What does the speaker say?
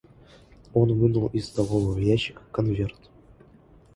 Он вынул из столового ящика конверт.